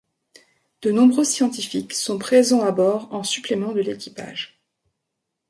De nombreux scientifiques sont présents à bord en supplément de l'équipage.